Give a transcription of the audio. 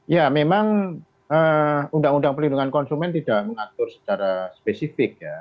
ya memang undang undang perlindungan konsumen tidak mengatur secara spesifik ya